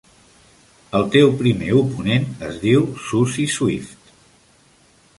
El teu primer oponent es diu "Suzi Swift".